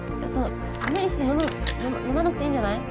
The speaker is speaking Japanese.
無理して飲む飲まなくていいんじゃない？